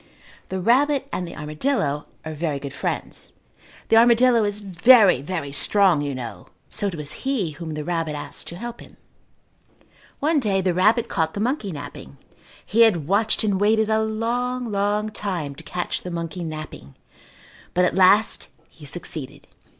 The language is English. The rabbit and the armadillo are very good friends. The armadillo is very, very strong, you know, so it was he whom the rabbit asked to help him. One day the rabbit caught the monkey napping. He had watched and waited a long, long time to catch the monkey napping, but at last he succeeded.